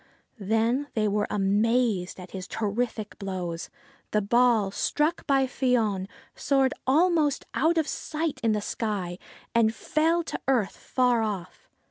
Then they were amazed at his terrific blows. The ball, struck by Fion, soared almost out of sight in the sky, and fell to earth far off.